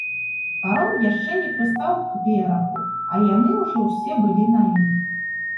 Паром яшчэ не прыстаў к берагу, а яны ўжо ўсе былі на ім.